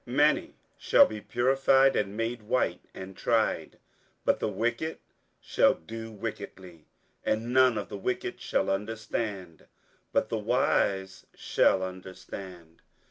27:012:010 Many shall be purified, and made white, and tried; but the wicked shall do wickedly: and none of the wicked shall understand; but the wise shall understand.